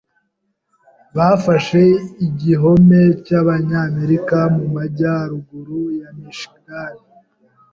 Bafashe igihome cyabanyamerika mumajyaruguru ya Michigan.